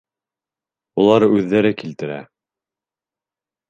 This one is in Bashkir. Улар үҙҙәре килтерә.